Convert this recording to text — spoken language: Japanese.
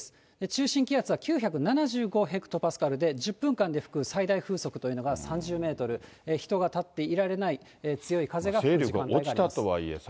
中心気圧は９７５ヘクトパスカルで、１０分間で吹く最大風速というのが３０メートル、人が立っていられない強い風が吹く時間帯があります。